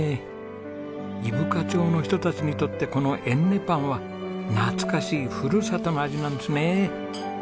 伊深町の人たちにとってこのえんねパンは懐かしいふるさとの味なんですね。